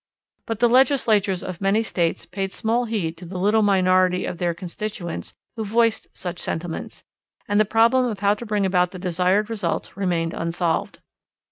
But the legislatures of many states paid small heed to the little minority of their constituents who voiced such sentiments, and the problem of how to bring about the desired results remained unsolved.